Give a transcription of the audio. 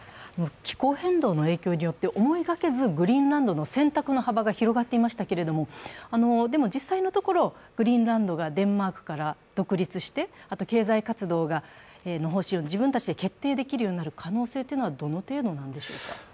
気候変動の影響によって思いがけずグリーンランドの選択の幅広がっていましたけれどもでも実際のところ、グリーンランドがデンマークから独立して経済活動の方針を自分たちで決定できるようになる可能性はどの程度なんでしょうか？